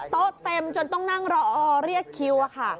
โต๊ะเต็มจนต้องนั่งเลือกีว่าค่ะ